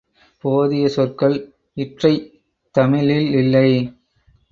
போதிய சொற்கள் இற்றைத் தமிழிலில்லை